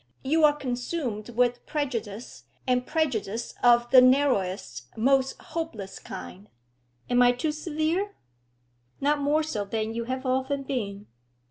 You are consumed with prejudice, and prejudice of the narrowest, most hopeless kind. Am I too severe?' 'Not more so than you have often been.